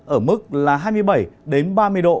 ở mức là hai mươi bảy đến ba mươi độ